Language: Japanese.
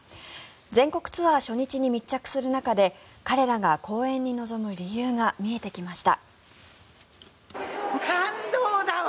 全国ツアー初日に密着する中で彼らが公演に臨む理由が見えてきました。